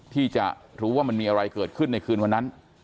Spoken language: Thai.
ที่จะรู้ว่ามันมีอะไรเกิดขึ้นในคืนวันนั้น